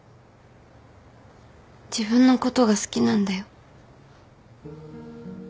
自分のことが好きなんだよ。